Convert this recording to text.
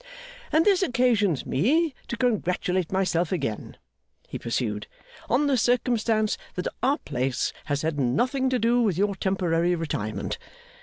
'And this occasions me to congratulate myself again,' he pursued, 'on the circumstance that our place has had nothing to do with your temporary retirement.